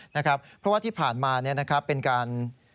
เพราะว่าที่ผ่านมาเป็นการ